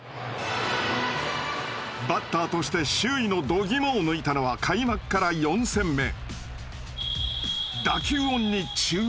バッターとして周囲の度胆を抜いたのは開幕から４戦目。